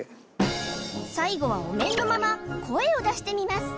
最後はお面のまま声を出してみます